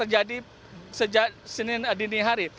jadi sejak senin dinihari